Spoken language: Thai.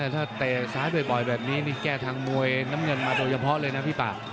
ถ้าเตะซ้ายบ่อยแบบนี้นี่แก้ทางมวยน้ำเงินมาโดยเฉพาะเลยนะพี่ป่า